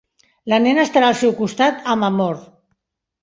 La nena estarà al seu costat amb amor.